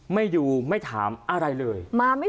ไม่ดูไม่ถามอะไรเลย